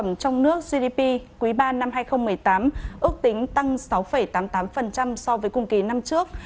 tổng trong nước gdp quý ba năm hai nghìn một mươi tám ước tính tăng sáu tám mươi tám so với cùng kỳ năm trước